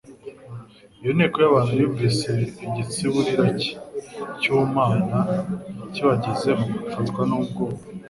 Iyo nteko y'abantu yumvise igitsiburira cye cy'ubumana kibagezeho ifatwa n'ubwoba.